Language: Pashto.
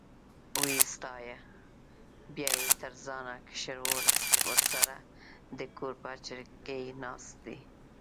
وې ستایه، بیا یې تر ځانه کشر ورسره د کور په چرګۍ ناست.